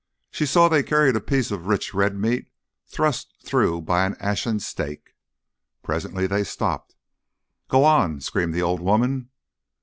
She saw they carried a piece of rich red meat thrust through by an ashen stake. Presently they stopped. "Go on!" screamed the old woman.